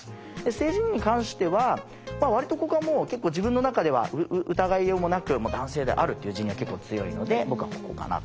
性自認に関しては割とここはもう結構自分の中では疑いようもなく男性であるという自認は結構強いので僕はここかなと。